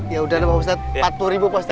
ya udah pak ustadz empat puluh pak ustadz